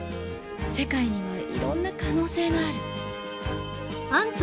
世界にはいろんな可能性がある。